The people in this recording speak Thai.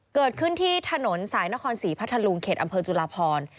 เกิดขึ้นที่ถนนสายนครศรีพัทธลุงเขตอำเภอจุลาพร